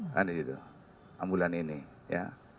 kan di situ ambulan ini ya